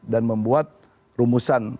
dan membuat rumusan